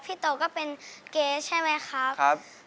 พี่โตก็เป็นเก๊ใช่ไหมครับครับพี่โต